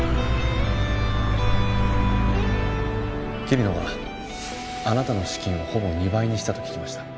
桐野があなたの資金をほぼ２倍にしたと聞きました。